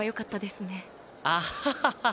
アハハハ！